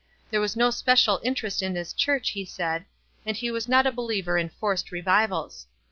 There was no special interest in his church, he said, and he was not a believer in forced re vivals.